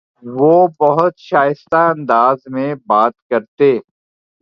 وہ بہت شائستہ انداز میں بات کرتے